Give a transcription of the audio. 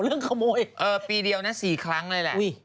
เออปีเดียวนั้นสี่ครั้งเลยแหละ